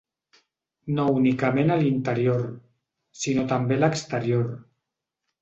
No únicament a l’interior, sinó també a l’exterior.